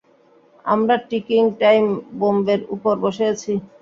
আমরা ticking time বোম্বের উপর বসে আছি।